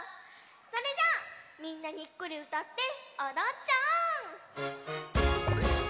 それじゃあみんなにっこりうたっておどっちゃおう！